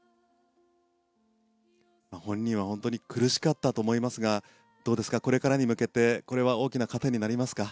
本人は本当に苦しかったと思いますがこれからに向けて大きな糧になりますか？